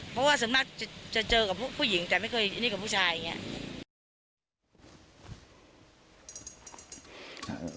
เพราะว่าส่วนมากจะเจอกับผู้หญิงแต่ไม่เคยนี่กับผู้ชายอย่างนี้